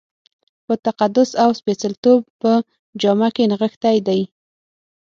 په تقدس او سپېڅلتوب په جامه کې نغښتی دی.